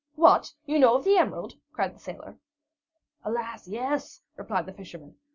"What! You know of the emerald?" cried the sailor. "Alas, yes," replied the fisherman.